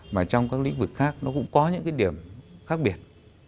mà trong các lĩnh vực khác nó cũng có những cái điểm khác biệt